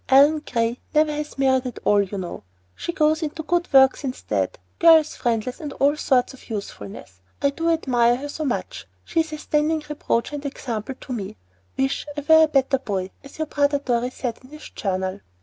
Ellen Gray never has married at all, you know. She goes into good works instead, girls' Friendlies and all sorts of usefulnesses. I do admire her so much, she is a standing reproach and example to me. "Wish I were a better boy," as your brother Dorry said in his journal.